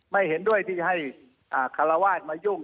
ไม่เห็นด้วยที่ให้คารวาสมายุ่ง